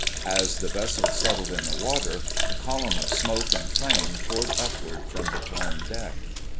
As the vessel settled in the water a column of smoke and flame poured upward from the torn deck.